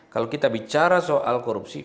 kalau kita bicara soal korupsi